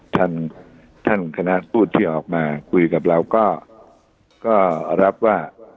ท่านท่านคณะผู้ที่ออกมาคุยกับเราก็รับว่า